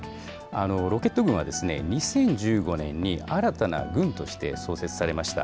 ロケット軍は、２０１５年に新たな軍として創設されました。